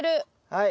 はい。